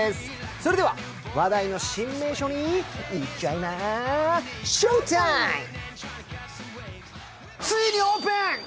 それでは話題の新名所に行っちゃいまＳＨＯＷＴＩＭＥ！。